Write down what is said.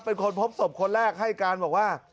เป็นคนพบศพคนแรกให้การบอกว่า